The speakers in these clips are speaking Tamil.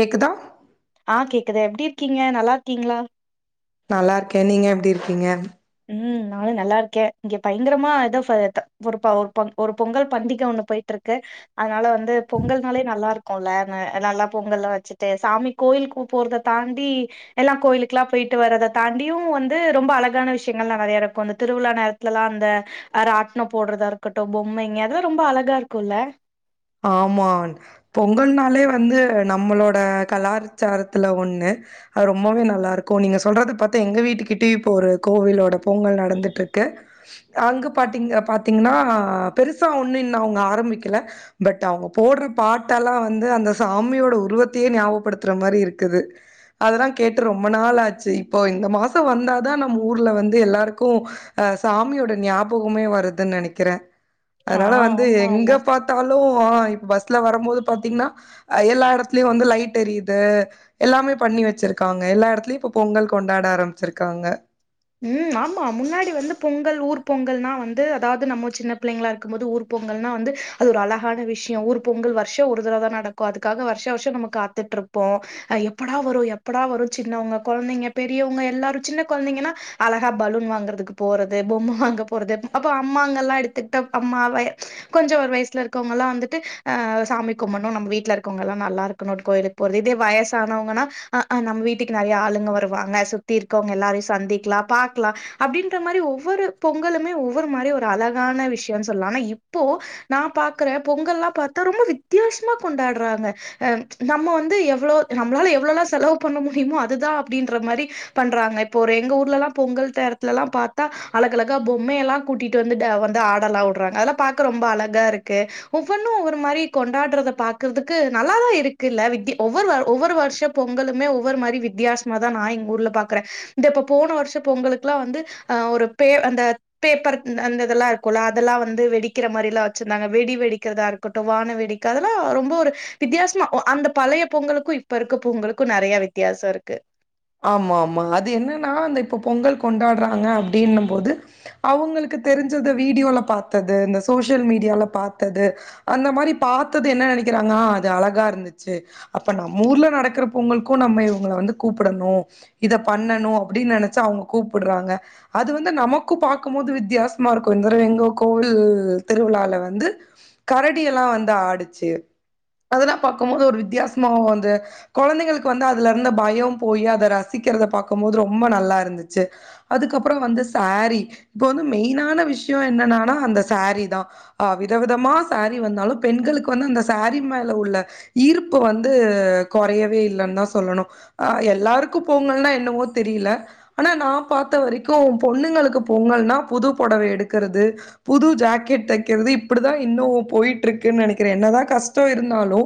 கேக்குதா அஹ் கேக்குது எப்டி இருக்கீங்க நல்லாருக்கீங்களா நல்லாருக்கே நீங்க எப்டி இருக்கீங்க ம் நானு நல்லாருக்கே இங்க பயங்கரமா ஏதோ ஃப ஒரு பொ ஒரு பொங்கல் பண்டிக ஒண்ணு போயிட்ருக்கு அதனால வந் து பொங்கல் நாளே நல்லாருக் குலனு நல்லா பொங்கல்ல வச்சுட்டு சாமி கோயிலுக்கு போறத தாண்டி எல்லா கோயிலுக்கெல்லா போயிட்டு வர்றத தாண்டியும் வந்து ரொம்ப அழகான விஷய ங்கள்ல்லா நெறைய இருக்கும் அந்த திருவிழா நேரத்துலலா அந்த அ ராட்னம் போடுறதா இருக்கட்டும் பொம்மைங்க அதெல்லா ரொம்ப அழகாயிருக்குல்ல ஆமா பொங்கல்னாலே வந்து நம்மளோட கலாச்சாரத்துல ஒண்ணு அது ரொம்பவே நல்லாருக்கு நீங்க சொல்றத பாத்தா எங்க வீட்டுக்கிட்டயு இப்போ ஒரு கோவிலோட பொங்கல் நடந்துட்ருக்கு அங்கு பாத்தீங்க பாத்தீங்ன்னா பெருசா ஒண்ணுல்ல அவங்க ஆரம்பிக்கல பட் அவங்க போடுற பாட்டெல்லா வந்து அந்த சாமியோட உருவத்தையே ஞாபப்படுத்துற மாரி இருக்குது அதெல்லா கேட்டு ரொம்ப நாளாச்சு இப்போ இந்த மாசோ வந்தாதா நம்ம ஊர்ல வந்து எல்லாருக்கும் அஹ் சாமியோட ஞாபகமே வருது நெனக்கிறே ஆ அதனால வந்து ஆமா எங்க எல்லா பாத்தாலு இப்ப பஸ்ல வரும்போது பாத்தீங்னா அ எல்லா எடத்துலயு வந்து லைட் டெரியுது எல்லாமே பண்ணி வச்சிருக்காங்க எல்லா எடத்துலயும் இப்ப பொங்கல் கொண்டாட ஆரம்பிச்சிருக்காங்க உஹம் ஆமா முன்னாடி வந்து பொங்கல் ஊர் பொங்கல்னா வந்து அதாவது நம்ம சின்ன பிள்ளைங்களா இருக்கும்போது ஊர் பொங்கல்னா வந்து அது ஒரு அழகான விஷ்யோ ஊர் பொங்கல் வர்ஷ ஒரு தடவதா நடக்கு அதுக்காக வர்ஷ வர்ஷ நம்ம காத்துட்ருப்போ ஹ எப்படா வரும் எப்படா வரும் சின்னவங்க கொழந்தைங்க பெரியவங்க எல்லாரும் சின்ன கொழந்தைங்கன்னா அழகா பலூன் வாங்குறதுக்கு போறது பொம்ம வாங்க போறது அப்போ அம்மாங்க ல்லா எடுத்துட்டா அம்மாவ கொஞ்சோ ஒரு வயசுல இருக்கவங்க ல்லா வந்துட்டு அஹ் சாமி கும்பணு நம்ம வீட்டுல இருக்கவங்க எல்லா நல்லா இருக்கணும் ஒரு கோயிலுக்கு போறது இதே வயசானவங்கன்னா ஆ ஆ நம்ம வீட்டுக்கு நெறைய ஆளுங்க வருவாங்க சுத்தி இருக்கவங்க எல்லாரையும் சந்தி ல்லா பாக்லா அப்படின்ற மாரி ஒவ்வொரு பொங்கலுமே ஒவ்வொரு மாரி ஒரு அழகான விஷ்யோன்னு சொல்லா ஆனா இப்போ நா பாக்குற பொங்கல்லா பாத்தா ரொம்ப வித்தியாசமா கொண்டாடுறாங்க ச்சு நம்ம வந்து எவ்ளோ நம்மளால எவ்ளவல செலவு பண்ண முடியுமோ அதுதா அப்டின்ற மாரி பண்றாங்க இப்போ ஒரு எங்க ஊர் ஊர்லலா பொங்கல் நேரத்துலல்லா பாத்தா அழகழகா பொம்மையெல்லா கூட்டிட்டு வந்து வந்து ஆடலா வுட்றாங்க அதெல்லா பாக்க ரொம்ப அழகாருக்கு ஒவ்வொன்னு ஒவ்வொரு மாரி கொண்டாடுறத பாக்குறதுக்கு நல்லாதா இருக்குல்ல வித்யா ஒவ்வொரு ஒவ்வொரு வர்ஷ பொங்கலுமே ஒவ்வொரு மாரி வித்தியாசமா தா நா எங்கூர்ல பாக்குற இந்தப் போன வருஷம் பொங்குக்கெல்லா வந்து அஹ் ஒரு பே அந்த பேப்பர் அந்த இதெல்லா இருக்கும்ல்ல அதெல்லா வந்து வெடிக்கிற மாரியில்லா வச்சிருந்தாங்க வெடி வெடிக்கிறதா இருக்கட்டும் வான வெடிக்க அதெல்லா ரொம்ப ஒரு வித்தியாசமா அந்த பழைய பொங்கலுக்கும் இப்ப இருக்க பொங்கலுக்கும் நெறைய வித்தியாசம் இருக்கு ஆமா ஆமா அது என்னன்னா அந்த இப்ப பொங்கல் கொண்டாடுறாங்க அப்படினும் போது அவங்களுக்கு தெரிஞ்சத வீடியோல பாத்தது இந்த சோசியல் மீடியால பாத்தது அந்த மாரி பாத்தது என்ன நெனக்கிறாங்க அது அழகா இருந்துச்சு அப்ப நம்மூர்ல நடக்குற பொங்கலுக்கு நம்ம இவங்க வந்து கூப் கூப்புடனு இத பண்ணணு அப்படின் நெனச்சா அவங்க கூப்பிடுறாங்க அது வந்து நமக்கு பாக்கும் போது வித்தியாசமா இருக்கும் இந்திர வெங்கோ கோவில் திருவிழால வந்து கரடியெல்லா வந்து ஆடுச்சு அதெல்லா பாக்கும்போது ஒரு வித்தியாசமா வந்து கொழந்தைங்களுக்கு வந்து அதுலருந்த பயம் போய் அத ரசிக்கிறத பாக்கும்போது ரொம்ப நல்லா இருந்துச்சு அதுக்கப்புறம் வந்து சாரீ இப்ப வந்து மெயினான விஷ்ய என்னன்னா அந்த சாரீ தா ஆஹ் விதவிதமா சாரீ வந்தாலும் பெண்களுக்கு வந்து அந்த சாரி மேல உள்ள ஈர்ப்பு வந்து கொறையவே இல்லன்தா சொல்லணு ஆ எல்லாருக்கும் போங்கல்னா என்னமோ தெரியல ஆனா நா பாத்த வரைக்கு பொண்ணுங்களுக்கு பொங்கல் னா புது பொடவ எடு க்கிறது புது ஜக்கெட் தக்கிறது இப்படிதா இன்னு போய்ட்ருக்கு நெனக்கிறே என்னதா கஷ்டோ இருந்தாலு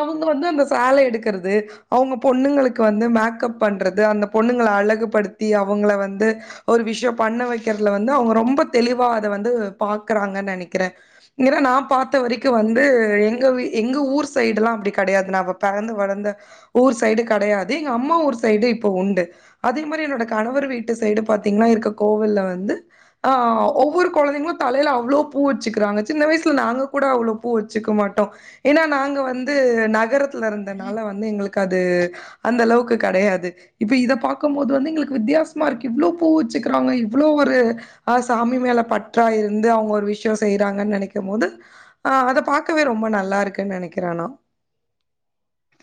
அவங்க வந்து அந்த சேல எடுக்ககுறது அவங்க பொண்ணுங்களுக்கு க்கு வந்து மேக்கப் பண்றது அந்த பொண்ணுங்கள அழகுபடுத்தி அவங்கள வந்து ஒரு விஷ்யோ பண்ண வக்கிறதுல வந்து அவங்க ரொம்ப தெளிவா அத வந்து பாக்குறாங்க நெனக்கிறே நா பாத்த வரைக்கும் வந்து எங்க எங்க ஊர் சைடெல்லா அப்படி கிடையாது நாம பெறந்து வழந்த ஊர் சைடு கெடையா து எங்க அம்மா ஊர் சைடு இப்ப உண்டு அதே மாரி என்னோட கணவர் வீட்டு சைடு பாத்தீங்னா இருக்க கோவில்ல வந்து ஹ் ஒ்வொரு குழந்தைங்களும் தலைல அவ்ளோ பூ வச்சுக்கிறாங்க சின்ன வயசுல நாங்க கூட அவ்ளோ பூ வச்சுக்க மாட்டோ ஏன்னா நாங்க வந்து நகரத் த்துல இருந்தனால வந்து எங்களுக்கு அது அந்த அளவுக்கு கெடையாது இப்ப இத பாக்கும் போது வந்து எங்களுக்கு வித்தியாசமாயிருக்கு இவ்ளோ பூ வச்சுக்கிறாங்க இவ்ளோ ஒரு ஆஸ் சாமி மேலே பற்றா இருந்து அவங்க ஒரு விஷ்யோ செய்கிறாங்கன்னு நெனைக்கும் போது ஆஹ் அத பாக்கவே ரொம்ப நல்லாயிருக்கு நெனக்கிற நா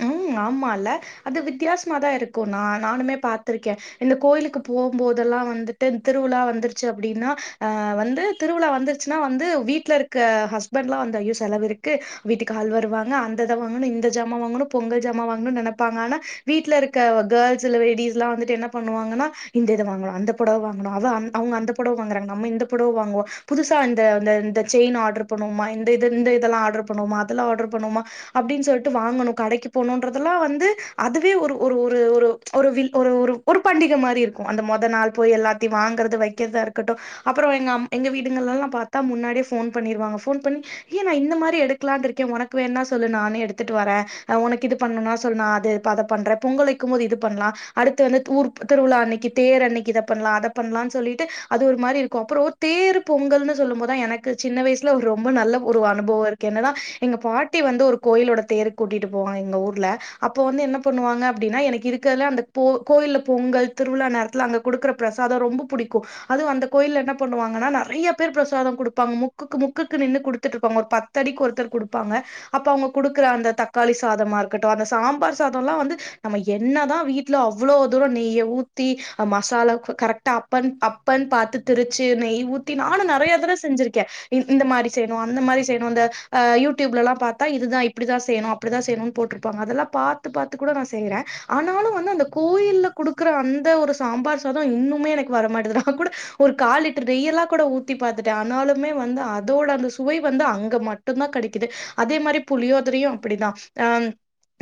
உஹம் ஆமால அது வித்தியாசமாதா இருக்கு நா நானுமே பாத்திருக்கே இந்த கோயிலுக்கு போகும்போதெல்லா வந்துட்டு திருவிழா வந்துருச்சு அப்படின்னா அஹ் வந்து திருவிழா வந்துருச்சுன்னா வந்து வீட்லயிருக்க ஹஸ்பண்ட்லா வந்து ஐயோ செலவுயிருக்கு வீட்டுக்கு ஆள் வருவாங்க அந்தத வாங்கணு இந்த ஜாமா வாங்கணு பொங்கல் ஜாமாவாங்கனு நெனப்பாங்க ஆனா வீட்ல இருக்க கேம்ஸ் லேடீஸ்லா வந்துட்டு என்ன பண்ணுவாங்கன்ன இந்த இத வாங்கலா அந்த பொடவ வாங்கனு அவ அவங்க அந்த பொடவ வாங்குறாங்க நம்ம இந்த பொடவ வாங்குவோ புதுசா இந்த இந்த இந்த செயின ஆட்ரு பண்ணுவோமா இந்த இது இந்த இதல்லா அட்ரு பண்ணுவோமா அதல்லா அட்ரு பண்ணுவோமா அப்டீன் சொல்லிட்டு வாங்கனு கடைக்கு போணுன்றதெல்லா வந்து அதுவே ஒரு ஒரு ஒரு ச்சு ஒரு வில் ஒரு ஒரு ஒரு பண்டிக மாதரி இருக்கும் அந்த மொத நாள் போய் எல்லாத்தையு வாங்கறது வக்கிறதா ருக்கட்டு அப்புறம் எங்கம் எங்க வீடுங்கலல்லா பாத்தா முன்னாடியே போன் பண்ணிருவாங்க போன் பண்ணி ஏ நா இந்த மாரி எடுக்கலான்னு ருக்கே உனக்கு வேண்னா சொல்லு நானே எடுத்துட்டு வரே உனக்கு இது பண்ணணுனா சொல் நா அது அதை பண்றே பொங்கல் வைக்கும் போது இது பண்லாம் அடுத்து வந்து ஊர் திருவிழா அன்னக்கு தேர் அன்னக்கு இத பண்லாம் அத பண்லானு சொல்லிட்டு அது ஒரு மாரி இருக்கும் அப்புறோ தேர் பொங்கல்ன்னு சொல்லும் போதா எனக்கு சின்ன வயசுல ஒரு ரொம்ப நல்ல ஒரு அனுபவயிருக்கு என்னனா எங்க பாட்டி வந்து ஒரு கோயிலோட தேர்க் கூட்டிட்டு போனேன் எங்க ஊர்ல அப்போ வந்து என்ன பண்ணுவாங்க அப்டின்னா எனக்கு இருக்கற்ல அந்த போ கோய்ல பொங்கல் திருவிழா நேரத்துல அங்க குடுக்கற பிரசாதம் ரொம்போ புடிக்கும் அதும் அந்த கோய்லெ என்ன பண்ணுவாங்கன்னா நெறைய பேர் பிரசாதம் குடுப்பாங்க முக்குக்கு முக்குக்கு நின்னு குடுத்திற்று இருப்பாங்க ஒரு பத்தடிக்கு ஒருத்தர் குடுப்பாங்க அப்ப அவங்க குடுக்கற அந்த தக் காளி சாதமா இருக்கட்டும் அந்த சாம்பார் சாதல்லா வந்து நம்ம என்ன தான் வீட்ல அவ்ளோ தூர நெய்ய ஊத்தி மசாலா கரெக்டா அப்பன் அப்பன் பாத்து திரிச்சு நெய் ஊத்தி நானும் நெறையா தர செஞ்சிருக்கேன் இந் இந்த மாரி செய்ணும் அந்த மாரி செய்ணும் அந்த ஆஹ் யூடுப்லல்லா பாத்தா இதுதான் இப்டிதா செய்ணும் இப்டிதான் செய்ணுன் போட்டிருப்பாங்க அதெல்லா பாத்து பாத்து கூட நா செய்யிறேன் ஆனாலும் வந்து அந்த கோய்ல குடுக்குற அந்த ஒரு சாம்பார் சாதம் இன்னுமே எனக்கு வர மாட்றுது நா கூட ஒரு காலிட்று நெய்யலா கூட ஊத்தி பாத்துட்டேன் ஆனாலுமே வந்து அதோட அந்த சுவை வந்து அங்க மட்டுந்தான் கெடைக்குது அதே மாரி புளியோதிரையும் அப்புடிதான் ஆஹ்ம்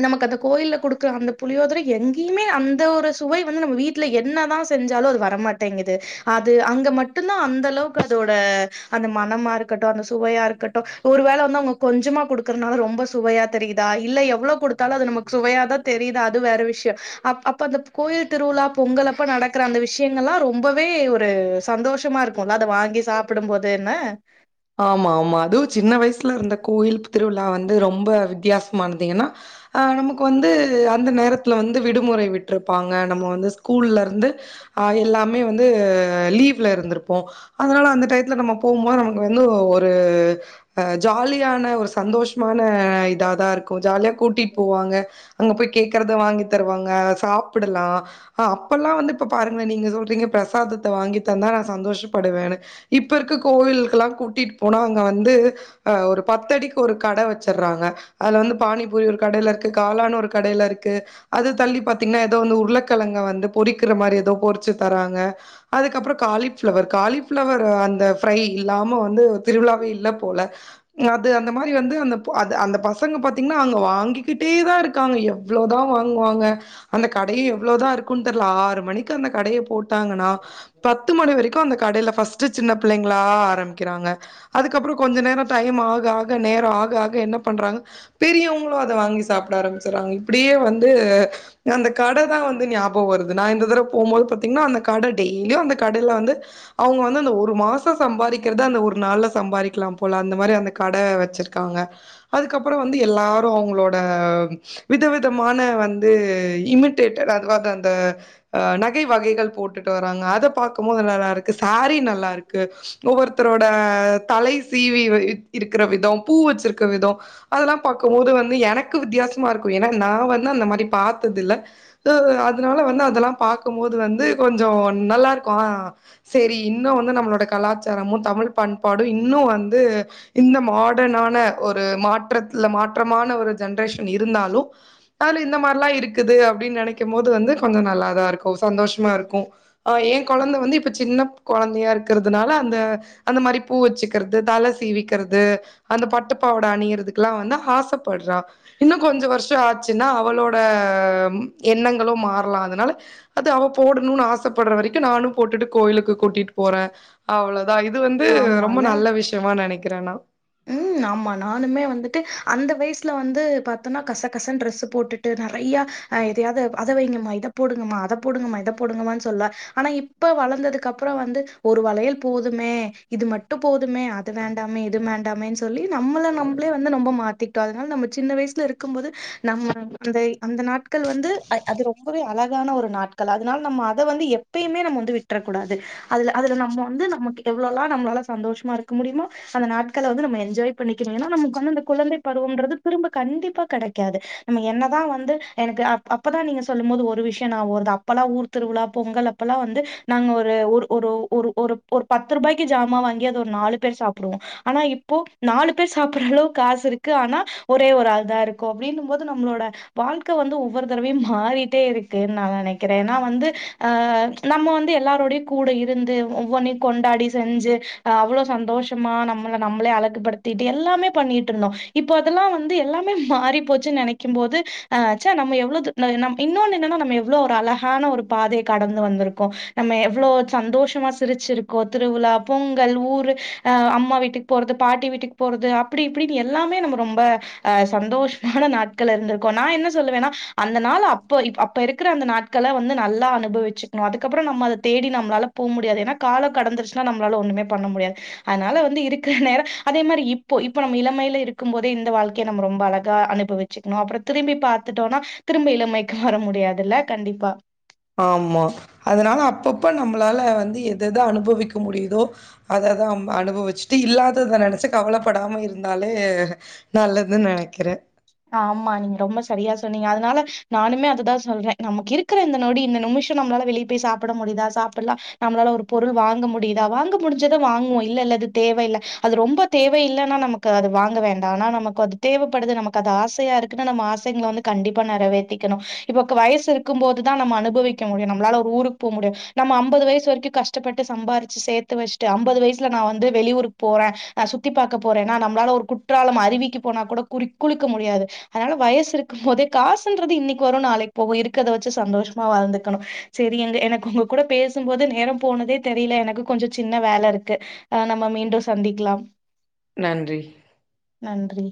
நமக்கு அந்த கோயிலெக் குடுக்கற அந்த புளியோதிரை எங்கியுமே அந்த ஒரு சுவை வந்து நம்ம வீட்ல என்னதான் செஞ்சாலும் அது வரமாட்டேங்குது அது அங்க மட்டுந்தான் அந்த அளவுக்கு அதோட அந்த மனமா இருக்கட்டும் அந்த சுவையா இருக்கட்டும் ஒரு வேல வந்து அவ்ங்க கொஞ்சமா குடுக்கறனால ரொம்ப சுவையா தெரியுதா இல்ல எவ்வளோ குடுத்தாலும் அது நமக்கு சுவையாதான் தெரியுதா அது வேற விஷ்ய அப் அப்ப அந்த கோயில் திருவுழா பொங்கலப்ப நடக்கிற அந்த விஷ்யங்களல்லா ரொம்பவே ஒரு சந்தோஷமா இருக்குல்ல அத வாங்கி சாப்புடும் போதுன்னு ஆம்மா ஆம்மா அதுவும் சின்ன வய்சுல இருந்த கோவில் திருவிழா வந்து ரொம்ப வித்தியாசமானது ஏனா ஆஹ் நமுக்கு வந்து அ ந்த நேரத்துல வந்து விடுமுறை விட்ருப்பாங்க நம்ம வந்து ஸ் கூல்ல இருந்து ஆஹ் எல்லாமே வந்து லீவ்ல இருந்திருப்போம் அதனால அந்த டயத்துல நம்ம போம்போது நமக் வந்து ஒரு ஆஹ் ஜாலியான ஒரு சந்தோஷ்மான இத தா இருக்கும் ஜாலியா கூட்டிட் போவாங்க அங்க போய் கேக்கறத வாங்கி தரவாங்க சாப்புடலாம் ஆஹ் அப்பல்லா வந்து இப்ப பாருங்களே நீங்க சொல்றீங்க பிரசாதத்த வாங்கி தந்தா நா சந்தோஷ்ப்படுவேனு இப்ப இருக்க கோவில் கெல்லா கூட்டிட் போனா அங்க வந்து ஆ ஒரு பத்தடிக் ஒரு கட வச்சற்றாங்க அதுல வந்து பானிபூரி ஒரு கடெயில இருக்கு காளான் ஒரு கடெயில இருக்கு அது தள்ளி பாத்தீங்னா எதோ வந்து உர்ளக்கெழங்க வந்து பொறிக்கிற மாரி எதோ பொரிச்சி தராங்க அதுக்கப்புறோ காலிஃபிளவர் காலிஃபிளவர் அந்த ஃப்ரை இல்லாம வந்து திருவிழாவே இல்ல போல அது அந்த மாரி வந்து அந்தப் அத அந்த பசங்க பாத்தீங்னா அங்க வாங்கிக்கிட் டேதா இருக் காங்க எவ்ளோதா வாங்குவாங்க அந்த கடேயே எவ்ளோதா இருக்குன் தெர்ல ஆறு மணிக்கு அந்த கடெயே போட் டாங்கனா பத்து மணி வரிக்கு அந்த கடையில ஃபஸ்ட் டு சின்ன பிள்ளைங் ளா ஆரம்மிக்கிறாங்க அதுக்கப்புறோ கொஞ்ச நேரோ டைம் ஆக ஆக நேரோ ஆக ஆக என்ன பண்றாங்க பெரியவங்களு அத வாங்கி சாப்ட ஆரம்பிச்சறாங்க இப்டியே வந்து அந்த கடதா வந்து ஞாப வருது நா இந்த தரவ போம்போது பாத் திங்னா அந்த கட டெய்லியு அந்த கடைல வந்து அவுங்க வந்து அந்த ஒரு மாஸ் டு சம்பாரிக்கிறத அந்த ஒரு நாள்ல சம்பாரிக்கலா போல அந்த மாரி அந்த கட வச்சிருக்காங்க அதுக்கப்பறோ வந்து எல்லாரு அவுங்ளோட விதவிதமான வந்து இமிட்டேட்டடு அதுவாது அந்த ஆ நகை வகைகள் போட்டுட்டு வராங்க அத பாக் கு போது நல்லா இருக்கு சாரி நல்லா இருக் ஒவ்வொருத்தரோட தலை சீவி வெ ட் இருக்கிற விதம் பூ வச்சிருக்ற விதோ அதெல்லா பாக்கு போது வந்து எனக்கு வித்தியாசமா இருக்கு ஏனா நா வந்து அந்த மாரி பாத்தது இல்ல ஆ அதனால வந்து அதெல்லா பாக்கு போது வந்து கொஞ்சோ நல்லா இருக்கு ஆ சேரி இன்னு வந்து நம்ளோட கலாச்சாரமு தமிழ்ப் பண் பாடு இன்னு வந்து இந்த மாடனான ஒரு மாட் றத்ல மாற்றமான ஒரு ஜென்ரேஷன் இருந்தாலு அதுல இந்த மார்லா இருக்குது அப்டின் நெனைக்கிம் போது வந்து கொஞ்ச நல்லா தா இருக்கு ம் சந்தோஷ்மா இருக்கு ஆ ஏ கொழந்த வந்து இப்ப சின்ன கொழந்தயா இருக் கிறதுனால அந்த அந்த மாரி பூ வெச்சிக்கிறது தல சீவிக்கிறது அந்த பட்டுப்பாவட அணியறதுக்லா வந்து ஆசப்பட்றா இன்னு கொஞ்ச வர்ஷ ஆச்சின்னா அவளோட எண்ணங்களு மார்லா அதனால அது அவ போடுணுனு ஆசப்படுற வரிக்கு நானு போட்டுட்டு கோயிலுக்கு கூட்டிட்டு போறே அவ்ளோ தா இது வந்து ரொம்போ ஆமால நல்ல விஷ்யமா நெனைக்கிற நா ம் ஆமா நானுமே வந்துட்டு அந்த வைய்ஸ்ல வந்து பாத்தொன்னா கசக்கசனு ட்ரெஸு போட்டுட்டு நெறையா ஆ எதையாவது அத வெய்ங்கம்மா இத போடுங்கம்மா அத போடுங்கமா இத போடுங்கமானு சொல்ல ஆனா இப்ப வளந்ததுக்கு அப்பறோ வந்து ஒரு வளையல் போதுமே இது மட்டு போதுமே அது வேண்டாமே இது மேன் டாமேனு சொல்லி நம்மள நம்ப்ளே வந்து நொம்ப மாத்திகிட்டோ அதனால நம்ம சின்ன வய்ஸ்ல இருக்குபோது நம்ம அந்தே அந்த நாட்கள் வந்து அ அது ரொம்பவே அழகான ஒரு நாட்கள் அதனால நம்ம அத வந்து எப்பெயுமே நம்ம வந்து விட்றக்கூடாது அதுல அதுல நம்ப வந்து நம்மக்கு எவ்ளோளா நம்ளால சந்தோஷ்மா இருக்க முடியுமோ அந்த நாட் கள வந்து நம்ம என்ஜாய் பண்ணிக்கிணு ஏனா நம்க்கு வந்து அந்த குழந்தை பருவம்ன்றது திரும்ப கண்டிப்பா கெடைக்காது நம்ம என்னதா வந்து எனக்கு அப் அப்பதா நீங்க சொல்லும் போது ஒரு விஷ்யோ ஞாப வருது அப்பெல்லா ஊர் திருவிழா பொங்கல் அப்பெல்லா வந்து நாங்க ஒரு ஒரு ஒரு ஒரு ஒரு பத்து ரூபாய்க்கி ஜாம வாங்கி அது ஒரு நாலு பேர் சாப்புடுவோ ஆனா இப்போ நாலு பேர் சாப்புற அளவுக் காசு இருக்கு ஆனா ஒரே ஒரு ஆள்தா இருக்கோ அப்டின்னு போது நம்ளோட வாழ்க்க வந்து ஒவ்வொரு தரவியு மாறிட்டே இருக்குன் நா நெனக்கிற ஏனா வந்து ஆ நம்ம வந்து எல்லாருடையு கூட இருந்து ஒவ்வொன்னியு கொண்டாடி செஞ்சி ஆ அவ்ளோ சந்தோஷமா நம் நம்ள நம்மளே அழகுப்படுத்திட்டு எல்லாமே பண்ணிட்டு இருந்தோ இப்போ அதெல்லா வந்து எல்லாமே மாறி போச்சின் நெனைக்கு போது ஆ ச நம்ம எவ்ளோ து நம்ம இன்னொன்னு என்னனா நம்ம எவ்ளோ ஒரு அழகான ஒரு பாதைய கடந்து வந்திருக்கோ நம்ம எவ்ளோ சந்தோஷமா சிரிச்சிருக்கோ திருவிழா பொங்கல் ஊரு அ அம்மா வீட் டுக்கு போறது பாட்டி வீட்டுக்கு போறது அப்படி இப்பின்னு எல்லாமே நம்ம ரொம்ப ஆ சந்தோஷமான நாட்கள் இருந்திருக்கோ நா என்ன சொல்லுவேனா அந்த நாள அப்போ இப் அப்போ இருக்கிற அந்த நாட்கள வந்து நல்லா அனுபவிச்சுக்கணு அதுக்கப்புறோ நம்ம அத தேடி நம்மளால போக முடியாது ஏனா காலோ கடந்துருச்சுனா நம்மளால ஒண்ணுமே பண்ண முடியாது அதனால வந்து இருக் நேரோ அதே மாரி இப்போ இப்ப நம்ம இளமையில இருக்கு போதே இந்த வாழ்கையை நம்ம ரொம்ப அழகா அனுபவிச்சுக்கணு அப்புறோ திரும்பி பாத்துட்டோனா திரும்ப இளமைக்கு வர முடியாதுல்ல கண்டிப்பா ஆமா அதனால அப்பப்ப நம்மளால வந்து எத எத அனுபவிக்க முடியுதோ அததா அம்ப அனுபவிச்சுட்டு இல்லாதத நெனச்சி கவலப்படாம இருந்தாலே நல்லதுன் நெனைக்கிறே ஆமா நீங்க ரொம்ப சரியா சொன்னீங்க அதனால நானுமே அதுதா சொல்றே நமக்கு இருக்கிற இந்த நொடி இந்த நிமிஷோ நம்மளால வெளியே போய் சாப்பிட முடியுதா சாப்பிலா நம்மளால ஒரு பொருள் வாங்க முடியுதா வாங்க முடிஞ்சத வாங்குவோ இல்ல இல்ல இது தேவயில்ல அது ரொம்ப தேவ இல்லனா நமக்கு அது வாங்க வேண்டா ஆனா நமக்கு அது தேவைப்படுது நமக்கு அது ஆசையா இருக்குன்னா நம்ம ஆசைங்கள வந்து கண்டிப்பா நெறவேத்திக்கணு இப்ப வயசு இருக்கும்போது தா நம்ம அனுபவிக்க முடியு நம்மளால ஒரு ஊருக்கு போக முடியு நம்ம அம்பது வயசு வரைக்கு கஷ்டப்பட்டு சம்பாரிச்சு சேத்து வச்ட்டு அம்பது வயசல நா வந்து வெளியூருக்கு போறே நா சுத்தி பாக்க போறே நம்மளால ஒரு குற்றாலம் அறிவிக்கு போனா கூட குறி குளிக்க முடியாது அதனால வயசு இருக்கு போதே காசுன்றது இன்னைக்கு வரு நாளைக்கு போவு இருக்குறத வச்சி சந்தோஷமா வாழ்ந்துக்கணு செரி அங்க எனக்கு உங்க கூட பேசும்போது நேரோ போனதே தெரியல எனக்கு கொஞ்ச சின்ன வேல இருக்கு ஆ நம்ம மீண்டும் சந்திக்கலா நன்றி நன்றி.